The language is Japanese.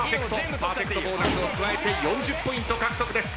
パーフェクトボーナスを加えて４０ポイント獲得です。